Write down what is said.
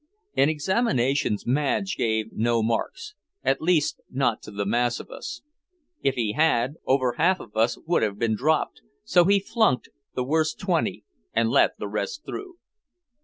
In examinations Madge gave no marks, at least not to the mass of us. If he had, over half of us would have been dropped, so he "flunked" the worst twenty and let the rest through.